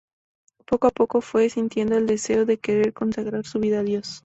Poco a poco fue sintiendo el deseo de querer consagrar su vida a Dios.